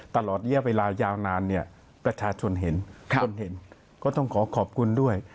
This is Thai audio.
ตลอดระยะเวลายาวนานเนี่ยประชาชนเห็นคนเห็นก็ต้องขอขอบคุณด้วย